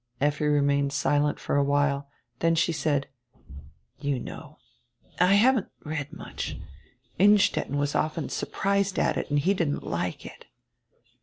Effi remained silent for a while. Then she said: "You know, I haven't read much. Innstetten was often surprised at it, and he didn't like it."